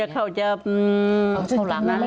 เขาจะ